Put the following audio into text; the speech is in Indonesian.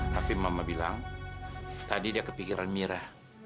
tapi mama bilang tadi dia kepikiran mirah